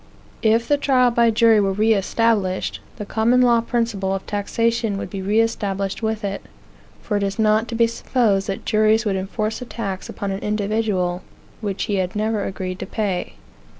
If the trial by jury were reestablished, the Common Law principle of taxation would be reestablished with it; for it is not to be supposed that juries would enforce a tax upon an individual which he had never agreed to pay.